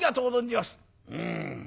「うん。